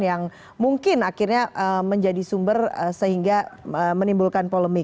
yang mungkin akhirnya menjadi sumber sehingga menimbulkan polemik